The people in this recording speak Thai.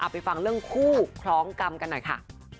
ไปฟังเรื่องคู่คล้องกรรมกันหน่อยค่ะ